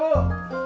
bu br bang